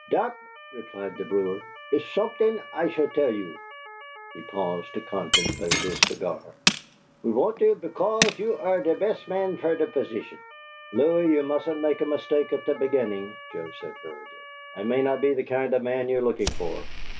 "Dot," replied the brewer, "iss someding I shall tell you." He paused to contemplate his cigar. "We want you bickoss you are der best man fer dot positsion." "Louie, you mustn't make a mistake at the beginning," Joe said, hurriedly. "I may not be the kind of man you're looking for.